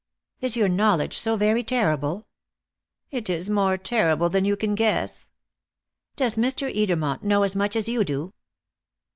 "Is your knowledge so very terrible?" "It is more terrible than you can guess." "Does Mr. Edermont know as much as you do?"